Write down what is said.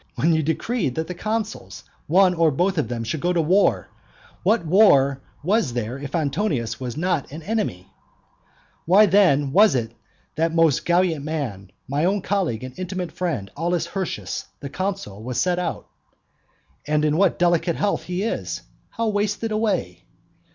when you decreed that the consuls, one or both of them, should go to the war, what war was there if Antonius was not an enemy? Why then was it that most gallant man, my own colleague and intimate friend, Aulus Hirtius the consul, has set out? And in what delicate health he is; how wasted away!